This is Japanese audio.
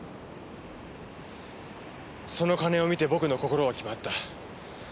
その金を見て僕の心は決まった。